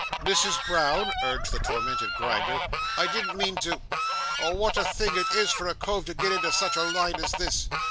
"Misses Brown," urged the tormented Grinder, "I didn't mean to—Oh, what a thing it is for a cove to get into such a line as this!